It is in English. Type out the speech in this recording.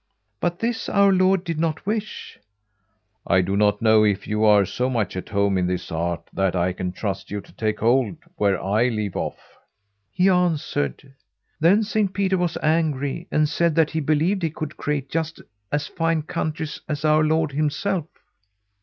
But this our Lord did not wish. 'I do not know if you are so much at home in this art that I can trust you to take hold where I leave off,' he answered. Then Saint Peter was angry, and said that he believed he could create just as fine countries as our Lord himself.